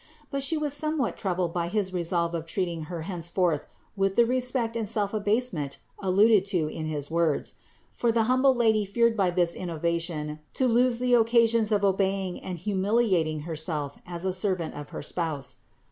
But She was somewhat troubled by his resolve of treating Her henceforth with the respect and self abasement alluded to in his words; for the humble Lady feared by this innovation to lose the occasions of obeying and humiliating Herself as a servant of her spouse.